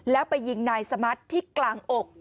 แล้วไปยิงนายสมัติที่กลางอก